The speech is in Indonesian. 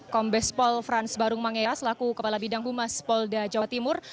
kombes paul france barung mangea selaku kepala bidang humas polda jawa timur